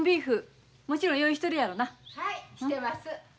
・はいしてます。